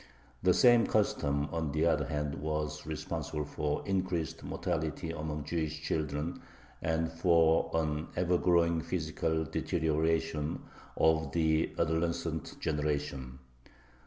The same custom, on the other hand, was responsible for increased mortality among Jewish children and for an ever growing physical deterioration of the adolescent generation.